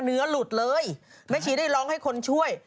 หลุดเลยแม่ชีได้ร้องให้คนช่วย